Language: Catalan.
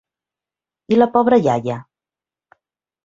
I la pobra iaia?